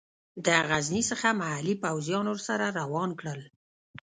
د غزني څخه محلي پوځیان ورسره روان کړل.